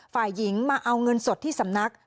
ฝ่ายหญิงมาเอาเงินสดที่สำนัก